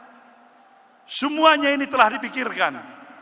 berbeda budaya semuanya ini telah dipikirkan